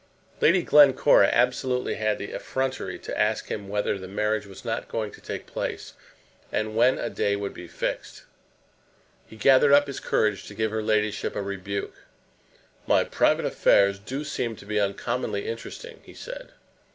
Lady Glencora absolutely had the effrontery to ask him whether the marriage was not going to take place, and when a day would be fixed. He gathered up his courage to give her ladyship a rebuke. "My private affairs do seem to be uncommonly interesting," he said.